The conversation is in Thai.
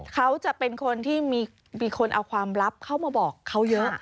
เขาจะเป็นคนที่มีคนเอาความลับเข้ามาบอกเขาเยอะ